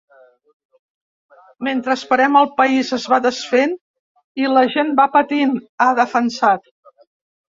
Mentre esperem, el país es va desfent i la gent va patint, ha defensat.